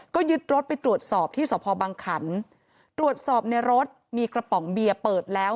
ก็ยึดรถไปตรวจสอบที่สพบังขันตรวจสอบในรถมีกระป๋องเบียร์เปิดแล้ว